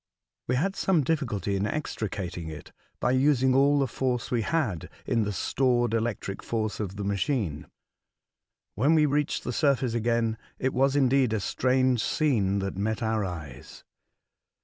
We had some difficulty in extricating it, by using all the force we had in the stored electric force of the machine. When we reached the surface again, it was indeed a strange scene that met our eyes.